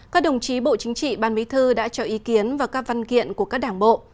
các đồng chí bộ chính trị ban bí thư đã cho ý kiến và các văn kiện của các đảng bộ